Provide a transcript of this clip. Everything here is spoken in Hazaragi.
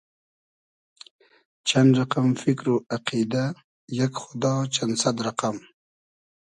چئن رئقئم فیکر و اقیدۂ یئگ خودا چئن سئد رئقئم